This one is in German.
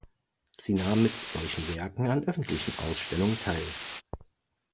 Sie nahm mit solchen Werken an öffentlichen Ausstellungen teil.